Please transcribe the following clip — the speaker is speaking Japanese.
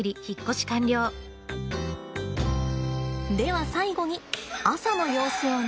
では最後に朝の様子をね。